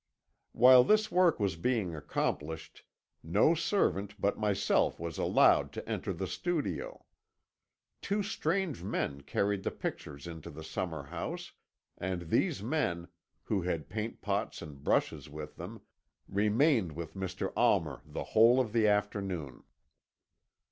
"While this work was being accomplished no servant but myself was allowed to enter the studio. Two strange men carried the pictures into the summer house, and these men, who had paint pots and brushes with them, remained with Mr. Almer the whole of the afternoon.